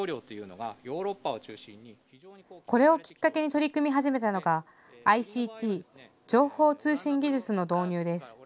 これをきっかけに取り組み始めたのがＩＣＴ・情報通信技術の導入です。